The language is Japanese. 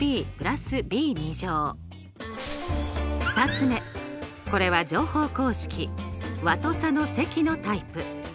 ２つ目これは乗法公式和と差の積のタイプ。